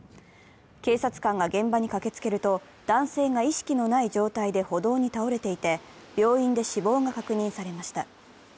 警察官が現場に駆けつけると男性が意識のない状態で歩道に倒れていて、病院で死亡が確認されました。